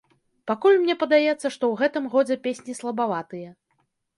Пакуль мне падаецца, што ў гэтым годзе песні слабаватыя.